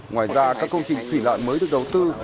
ngoài ra các công trình thủy lợi mới được đầu tư